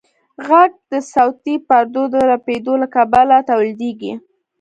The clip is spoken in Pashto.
غږ د صوتي پردو د رپېدو له کبله تولیدېږي.